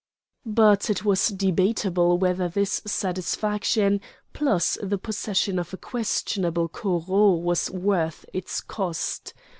But it was debatable whether this satisfaction plus the possession of a questionable Corot was worth its cost.